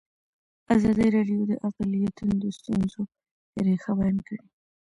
ازادي راډیو د اقلیتونه د ستونزو رېښه بیان کړې.